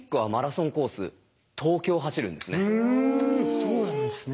そうなんですね。